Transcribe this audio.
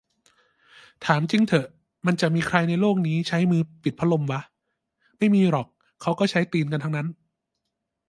ถามจริงเถอะมันจะมีใครในโลกนี้ที่ใช้มือปิดพัดลมวะ ไม่มีหรอก เค้าก็ใช้ตีนกันทั้งนั้น